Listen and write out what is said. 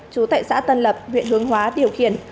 chú tại xã tân lập huyện hướng hóa điều khiển